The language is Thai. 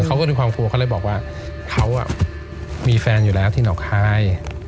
เขาก็มีความกลัวเขาเลยบอกว่าเขามีแฟนอยู่แล้วที่หนองคาย